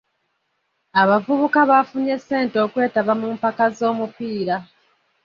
Abavubuka baafunye ssente okwetaba mu mpaka z'omupiira.